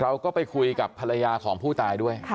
เราก็ไปคุยกับภรรยาของผู้ตายด้วย